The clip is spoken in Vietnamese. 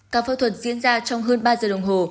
ca phẫu thuật diễn ra trong hơn ba giờ đồng hồ